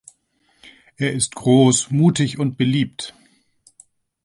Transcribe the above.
Er ist groß, mutig und beliebt.